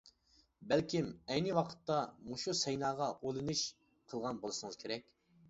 بەلكىم، ئەينى ۋاقىتتا مۇشۇ سەيناغا ئۇلىنىش قىلغان بولسىڭىز كېرەك.